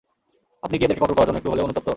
আপনি কি এদেরকে কতল করার জন্য একটু হলেও অনুতপ্ত?